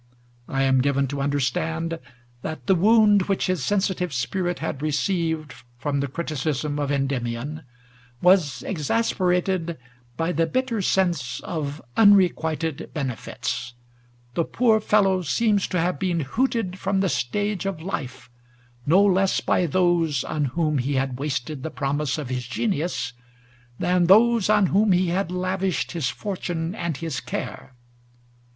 I am given to undei'stand that the wound which his sensitive spirit had received from the criticism of Endymion was exasperated by the bitter sense of unrequited benefits ; the poor fellow seems to have been hooted from the stage of life no less by those on whom he had wasted the promise of his genius than those on whom he had lavished his fortune and his care.